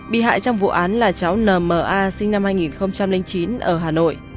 bị hại trong vụ án là cháu nm a sinh năm hai nghìn chín ở hà nội